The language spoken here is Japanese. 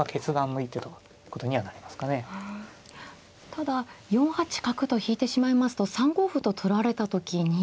ただ４八角と引いてしまいますと３五歩と取られた時に。